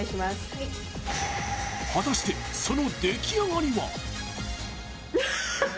はい果たしてその出来上がりは？